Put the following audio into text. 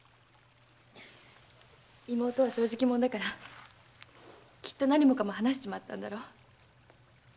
妹は正直者だからきっと何もかも話しちまったんだろ？